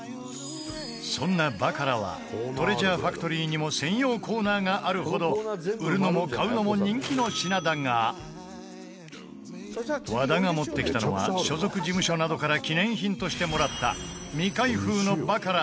そんなバカラはトレジャーファクトリーにも専用コーナーがあるほど売るのも買うのも人気の品だが和田が持ってきたのは所属事務所などから記念品としてもらった未開封のバカラ、